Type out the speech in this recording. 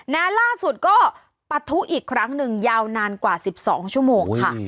ล่าสุดก็ปะทุอีกครั้งหนึ่งยาวนานกว่า๑๒ชั่วโมงค่ะ